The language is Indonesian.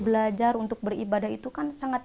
belajar untuk beribadah itu kan sangat